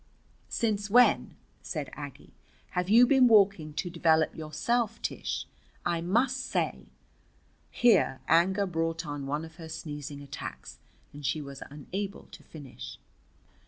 "Since when," said Aggie, "have you been walking to develop yourself, Tish? I must say " Here anger brought on one of her sneezing attacks, and she was unable to finish.